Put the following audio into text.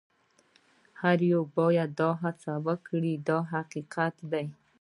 هر یو باید دا هڅه وکړي دا حقیقت دی.